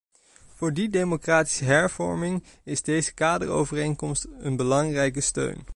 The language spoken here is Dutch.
Voor die democratische hervormingen is deze kaderovereenkomst een belangrijke steun.